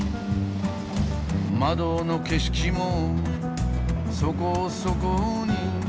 「窓の景色もそこそこに」